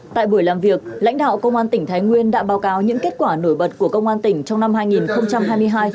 tại buổi làm việc lãnh đạo công an tỉnh thái nguyên đã báo cáo những kết quả nổi bật của công an tỉnh trong năm hai nghìn hai mươi hai